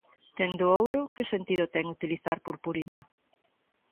Tendo ouro, que sentido ten utilizar purpurina?